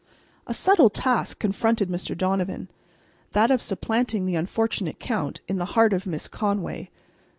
A subtle task confronted Mr. Donovan,—that of supplanting the unfortunate Count in the heart of Miss Conway.